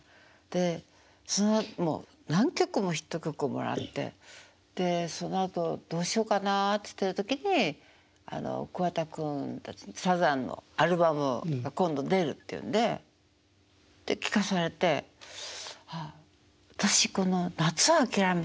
でもう何曲もヒット曲をもらってでそのあとどうしようかなって言ってる時にあの桑田君たちサザンのアルバム今度出るっていうんでで聴かされて「ああ私この『夏をあきらめて』がいいな。